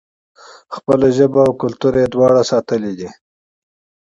خپله ژبه او کلتور یې دواړه ساتلي دي.